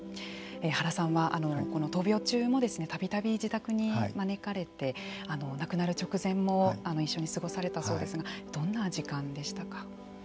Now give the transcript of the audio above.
原さんは闘病中もたびたび自宅に招かれて亡くなる直前も一緒に過ごされたそうですがどんな時間でしたか。